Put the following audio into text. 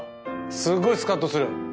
すごいスカッとする！